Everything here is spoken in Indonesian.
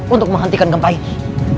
untuk menghentikan gempa ini